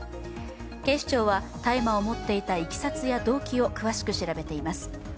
警視庁は大麻を持っていたいきさつや動機を詳しく調べています。